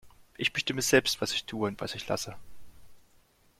Ich bestimme selbst, was ich tue und was ich lasse.